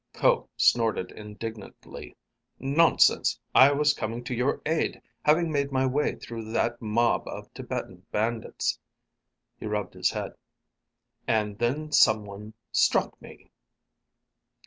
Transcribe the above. Ko snorted indignantly. "Nonsense! I was coming to your aid, having made my way through that mob of Tibetan bandits." He rubbed his head. "And then someone struck me."